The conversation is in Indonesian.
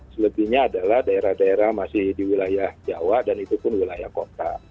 selebihnya adalah daerah daerah masih di wilayah jawa dan itu pun wilayah kota